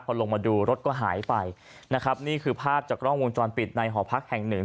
พอลงมาดูรถก็หายไปนะครับนี่คือภาพจากกล้องวงจรปิดในหอพักแห่งหนึ่ง